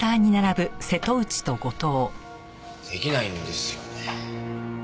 出来ないんですよね。